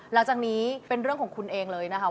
หลังจากนี้เป็นเรื่องของคุณเองเลยนะคะ